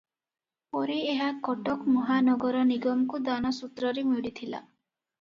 ପରେ ଏହା କଟକ ମହାନଗର ନିଗମକୁ ଦାନ ସୂତ୍ରରେ ମିଳିଥିଲା ।